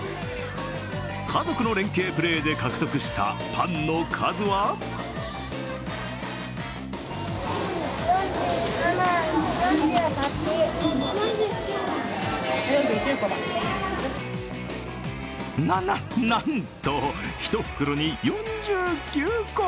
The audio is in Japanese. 家族の連係プレーで獲得したパンの数はな、な、なんと、１袋に４９個。